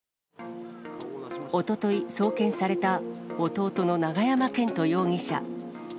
おととい送検された、弟の永山絢斗容疑者。